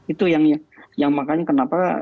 itu yang makanya kenapa